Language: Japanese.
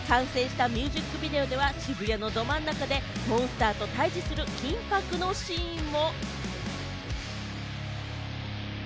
完成したミュージックビデオでは、渋谷のど真ん中でモンスターと対峙する緊迫のシーンも。